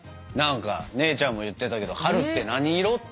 何か姉ちゃんも言ってたけど「春って何色？」